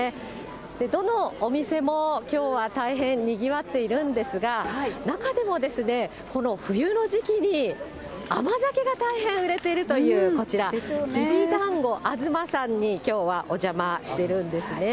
どのお店もきょうは大変、にぎわっているんですが、中でもこの冬の時期に甘酒が大変売れているというこちら、きびだんごあづまさんに、きょうはお邪魔しているんですね。